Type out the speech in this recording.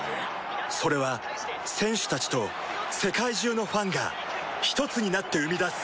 それは選手たちと世界中のファンがひとつになって生み出す